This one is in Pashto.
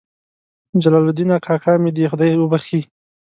جلال الدین کاکا مې دې خدای وبخښي.